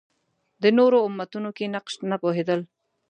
د نورو امتونو کې نقش نه پوهېدل